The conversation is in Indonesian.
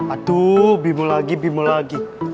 aduh bimu lagi bimu lagi